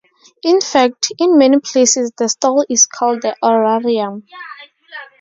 In fact, in many places the stole is called the orarium.